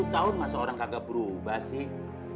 dua puluh tahun masa orang kagak berubah sih